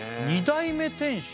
２代目店主